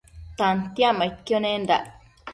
Tantiacmaidquio nendac